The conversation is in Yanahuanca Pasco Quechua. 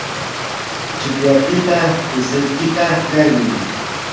tsukllaykipita qusaykita qarquy.